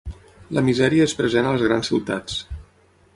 La misèria és present a les grans ciutats.